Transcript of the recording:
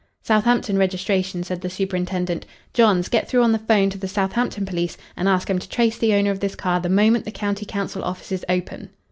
"Southampton registration," said the superintendent. "Johns, get through on the 'phone to the Southampton police, and ask 'em to trace the owner of this car the moment the county council offices open."